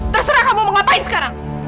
terserah kamu mau ngapain sekarang